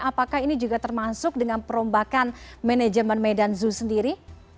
apakah ini juga termasuk dengan perombakan manajemen medan zoo sendiri